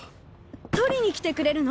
取りに来てくれるの？